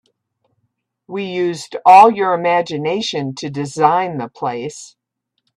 We used all your imgination to design the place.